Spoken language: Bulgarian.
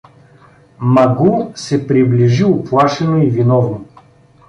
Магу се приближи уплашено и виновно.